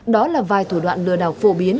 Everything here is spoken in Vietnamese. đó là vài thủ đoạn lừa đảo phổ biến